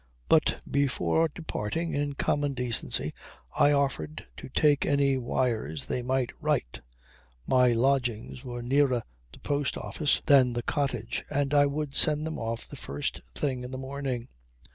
But before departing, in common decency, I offered to take any wires they might write. My lodgings were nearer the post office than the cottage and I would send them off the first thing in the morning.